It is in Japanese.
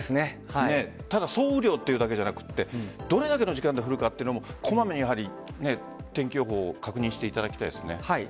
ただ総雨量というだけじゃなくてどれだけの時間で降るかっていうのもこまめに天気予報を確認していただきたいですね。